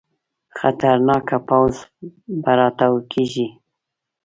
خطرناکه پوځ به راوټوکېږي.